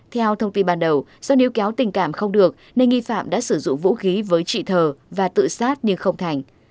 theo thông tin ban đầu do níu kéo tình cảm không được nên nghi phạm đã sử dụng vũ khí với chị thờ và tự sát nhưng không thành